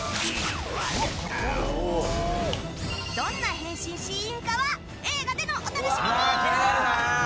どんな変身シーンかは映画でのお楽しみに。